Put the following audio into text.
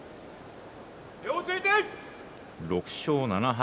６勝７敗